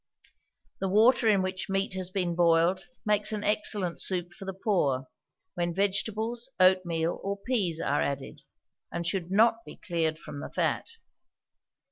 The water in which meat has been boiled makes an excellent soup for the poor, when vegetables, oatmeal, or peas are added, and should not be cleared from the fat.